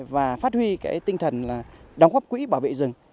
và phát huy cái tinh thần đóng góp quỹ bảo vệ rừng